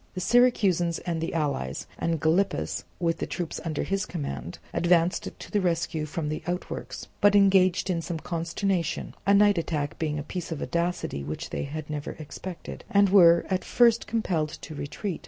The Syracusans and the allies, and Gylippus with the troops under his command, advanced to the rescue from the outworks, but engaged in some consternation (a night attack being a piece of audacity which they had never expected), and were at first compelled to retreat.